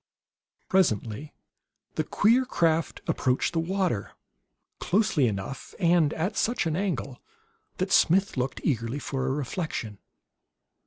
Presently the queer craft approached the water closely enough, and at such an angle, that Smith looked eagerly for a reflection.